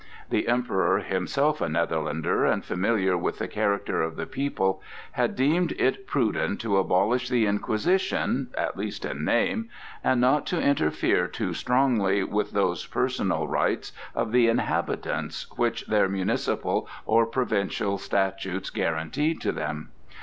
The Emperor, himself a Netherlander and familiar with the character of the people, had deemed it prudent to abolish the Inquisition (at least in name) and not to interfere too strongly with those personal rights of the inhabitants which their municipal or provincial statutes guaranteed to them.